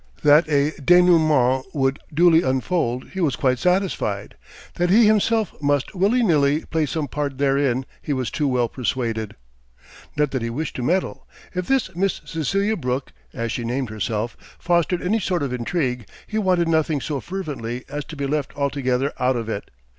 That a dénouement would duly unfold he was quite satisfied; that he himself must willy nilly play some part therein he was too well persuaded. Not that he wished to meddle. If this Miss Cecelia Brooke (as she named herself) fostered any sort of intrigue, he wanted nothing so fervently as to be left altogether out of it.